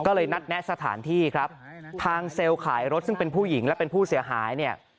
ก็เลยนัดแนะสถานที่ครับทางเซลล์ขายรถซึ่งเป็นผู้หญิงและเป็นผู้เสียหายเนี่ย